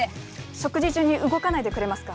食事中に動かないでくれますか。